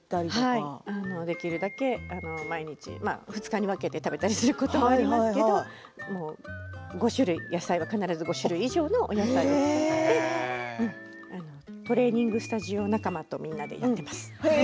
できるだけ毎日２日に分けて食べたりすることもありますけどお野菜は必ず５種類以上入れてトレーニングスタジオ仲間とみんなでやってます。